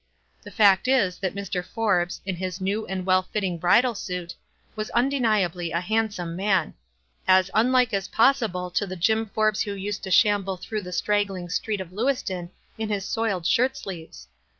The (act is, that Mr. Forbes, m his new and well fitting bridal suit, was undeniably a handsome man — as unlike as possible to the Jim Forbes who used to shamble through the strangling street of Lewiston in his soiled shirt sleeves.